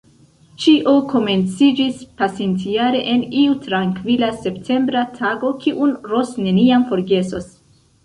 Ĉio komenciĝis pasintjare en iu trankvila septembra tago, kiun Ros neniam forgesos.